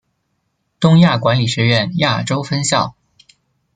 东亚管理学院亚洲分校。